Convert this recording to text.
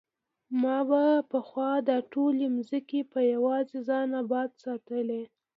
ما به پخوا دا ټولې ځمکې په یوازې ځان ابادې ساتلې.